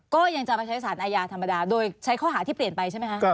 ก็ยังจะมาใช้สารอาญาธรรมดาโดยใช้ข้อหาที่เปลี่ยนไปใช่ไหมคะ